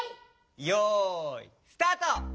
よいスタート！